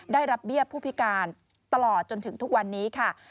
ได้รับเบี้ยผู้พิการตลอดจนถึงทุกวันนี้ค่ะ